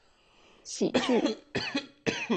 喜劇